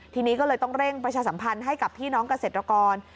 ทีนี้ก็เลยต้องเร่งประชาสัมพันธ์ให้กับพี่น้องเกษตรกร